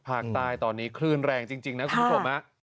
ภาคใต้ตอนนี้คลื่นแรงจริงนะคุณผู้ชม